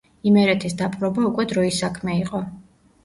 იმერეთის დაპყრობა უკვე დროის საქმე იყო.